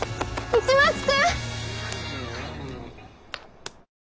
市松君？